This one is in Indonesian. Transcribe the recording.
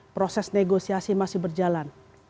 proses negosiasi masih berjalan